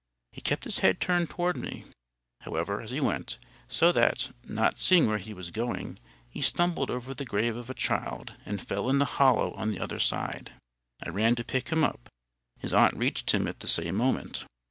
He kept his head turned towards me, however, as he went, so that, not seeing where he was going, he stumbled over the grave of a child, and fell in the hollow on the other side. I ran to pick him up. His aunt reached him at the same moment.